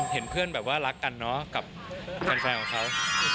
เห็นเพื่อนแบบว่ารักกันเนอะกับแฟนของเขา